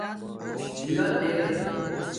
بویت ار